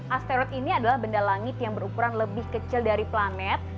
asteroid ini adalah benda langit yang berukuran lebih kecil dari planet